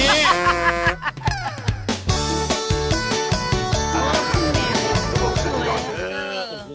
เยอะเยอะมาก